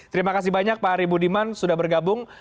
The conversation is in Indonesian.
terima kasih banyak pak ari budiman sudah bergabung